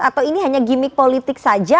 atau ini hanya gimmick politik saja